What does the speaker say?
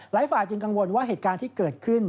ฝ่ายจึงกังวลว่าเหตุการณ์ที่เกิดขึ้น